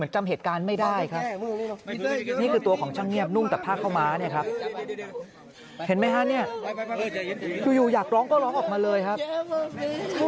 ช่างเงีียบกินอะไรมาก่อนหน้านี่หรือเปล่า